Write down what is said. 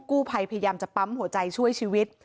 กู้ภัยพยายามจะปั๊มหัวใจช่วยชีวิต